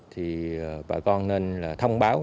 thì bà con nên là thông báo